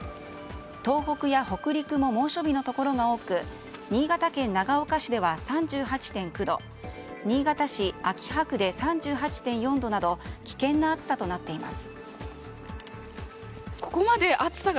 東北や北陸も猛暑日のところが多く新潟県長岡市では３８．９度新潟県秋葉区で３８．４度など危険な暑さとなっています。